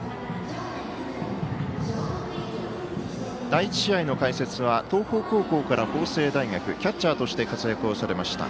第１試合の解説は東邦高校から法政大学キャッチャーとして活躍をされました。